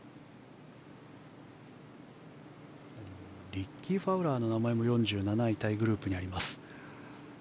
リッキー・ファウラーの名前も４７位タイグループにあります。